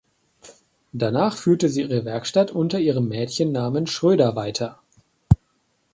Danach führte sie ihre Werkstatt unter ihrem Mädchennamen Schroeder weiter.